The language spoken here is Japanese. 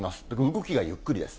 動きがゆっくりです。